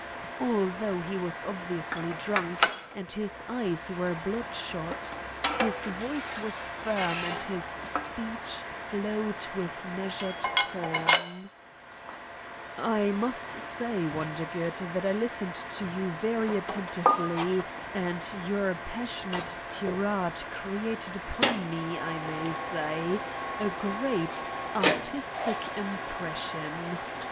.. although he was ob viously drunk and his eyes were bloodshot, his voice was firm and his speech flowed with meas ured calm : "I must say, Wondergood, that I listened to you very attentively and your passionate tirade created upon me, I may say, a great, artistic im pression